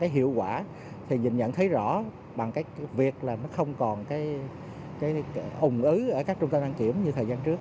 hiệu quả nhìn nhận thấy rõ bằng việc không còn ủng ứng ở các trung tâm đăng kiểm như thời gian trước